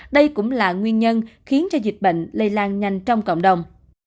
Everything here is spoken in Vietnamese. đây cũng là nguyên nhân khiến cho dịch bệnh lây lan nhanh trong cộng đồng